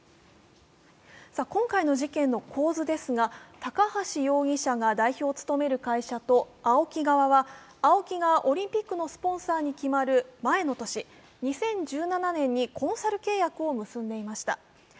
今回の事件の構図ですが高橋容疑者が代表を務める会社とＡＯＫＩ側はＡＯＫＩがオリンピックのスポンサーに決まる前の年、２０１７年にコンサル契約を結んでいました。